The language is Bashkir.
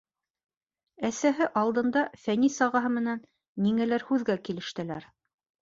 Әсәһе алдында Фәнис ағаһы менән ниңәлер һүҙгә килештеләр.